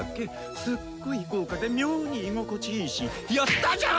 すっごい豪華で妙に居心地いいしやったじゃん！